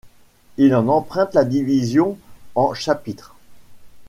Il en emprunte la division en chapitres.